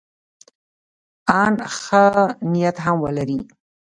ان که ښه نیت هم ولري.